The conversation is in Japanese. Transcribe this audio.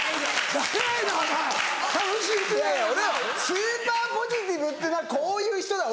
スーパーポジティブっていうのはこういう人だ。